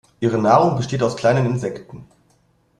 Ihre Nahrung besteht aus kleinen Insekten.